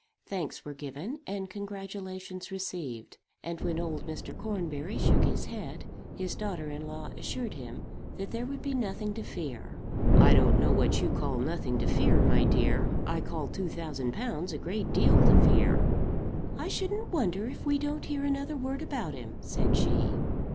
Thanks were given and congratulations received; and when old Mr. Cornbury shook his head, his daughter in law assured him that there would be nothing to fear. "I don't know what you call nothing to fear, my dear. I call two thousand pounds a great deal to fear." "I shouldn't wonder if we don't hear another word about him," said she.